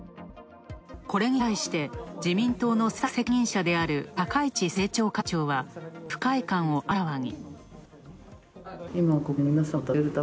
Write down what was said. これに対して、自民党の政策責任者である高市政調会長は、不快感をあらわに。